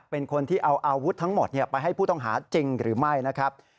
เป็นคนที่เอาอาวุธทั้งหมดไปให้ผู้ต้องหาจริงหรือไม่นะครับ